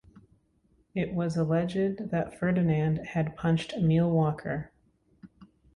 It was alleged that Ferdinand had punched Emile Walker.